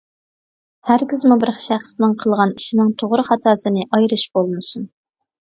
ھەرگىزمۇ بىر شەخسنىڭ قىلغان ئىشىنىڭ توغرا-خاتاسىنى ئايرىش بولمىسۇن!